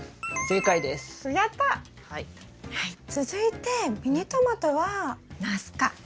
続いてミニトマトはナス科。